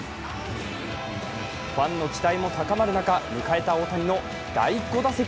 ファンの期待も高まる中、迎えた大谷の第５打席。